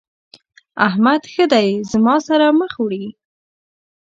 احمد ښه دی زما سره مخ وړي.